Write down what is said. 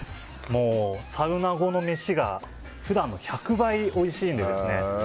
サウナ後の飯が普段の１００倍おいしいんですね。